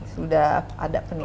sudah ada peningkatannya